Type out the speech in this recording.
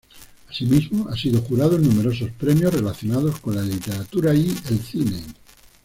Asimismo, ha sido jurado en numerosos premios relacionados con la literatura y el cine.